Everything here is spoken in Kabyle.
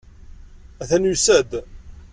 Atan yusa-d.